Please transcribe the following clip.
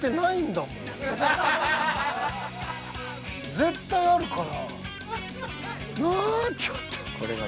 絶対あるから。